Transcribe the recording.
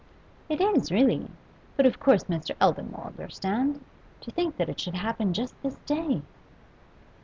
'It is, really! But of course Mr. Eldon will understand. To think that it should happen just this day!